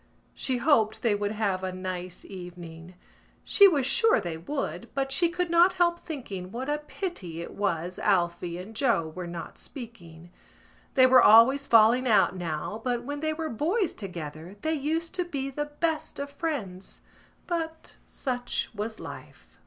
She hoped they would have a nice evening. She was sure they would but she could not help thinking what a pity it was Alphy and Joe were not speaking. They were always falling out now but when they were boys together they used to be the best of friends: but such was life.